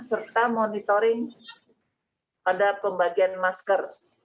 serta monitoring pada pembagian masker